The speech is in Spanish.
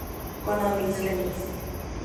Con audiciones.